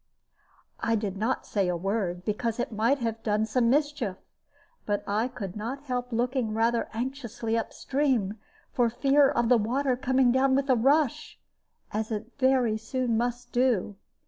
I did not say a word, because it might have done some mischief, but I could not help looking rather anxiously up stream, for fear of the water coming down with a rush, as it very soon must do.